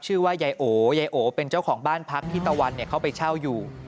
ชื่อว่ายายโอยายโอเป็นเจ้าของบ้านพักที่ตะวันเข้าไปเช่าอยู่